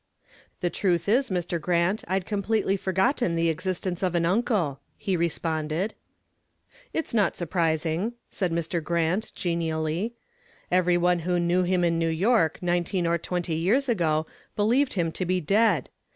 "The truth is, Mr. Grant, I'd completely forgotten the existence of an uncle," he responded. "It is not surprising," said Mr. Grant, genially. "Every one who knew him in New York nineteen or twenty years ago believed him to be dead.